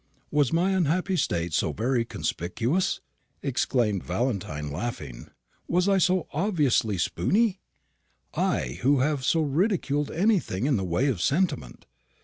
"Was my unhappy state so very conspicuous?" exclaimed Valentine, laughing. "Was I so obviously spoony? I who have so ridiculed anything in the way of sentiment.